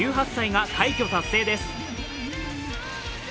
１８歳が快挙達成です。